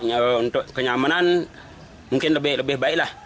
ya untuk kenyamanan mungkin lebih baiklah